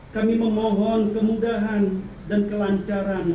kami memohon kemudahan dan kelancaran